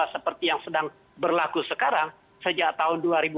seperti yang sedang berlaku sekarang sejak tahun dua ribu empat belas